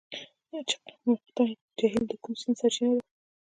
چقمقتین جهیل د کوم سیند سرچینه ده؟